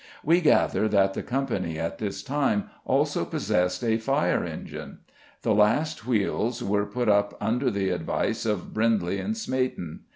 We gather that the Company at this time also possessed a "fire engine." The last wheels were put up under the advice of Brindley and Smeaton.